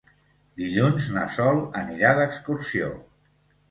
Dilluns na Sol anirà d'excursió.